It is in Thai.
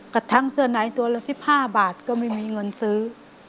กระทั่งเสื้อในตัวละ๑๕บาทก็ไม่มีเงินซื้อ